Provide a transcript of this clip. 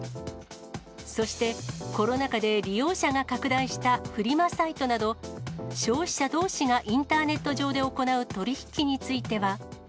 そしてコロナ禍で利用者が拡大したフリマサイトなど、消費者どうしがインターネット上で行う取り引きについては。